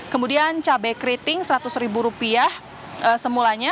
kemudian cabai keriting rp seratus semulanya